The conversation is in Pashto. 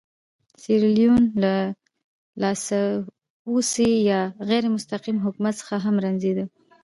سیریلیون له لاسپوڅي یا غیر مستقیم حکومت څخه هم رنځېده.